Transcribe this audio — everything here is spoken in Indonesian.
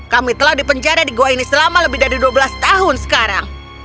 kami telah dipenjara di gua ini selama lebih dari dua belas tahun sekarang